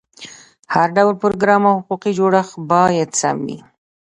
هر ډول پروګرام او حقوقي جوړښت باید سم وي.